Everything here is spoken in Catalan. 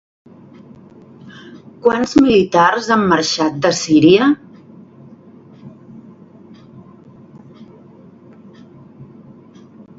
Quants militars han marxat de Síria?